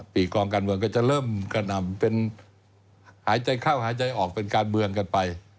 ปีกองการเมืองก็จะเริ่มกระหน่ำเป็นหายใจเข้าหายใจออกเป็นการเมืองกันไป